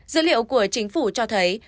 dữ liệu của chính phủ cho thấy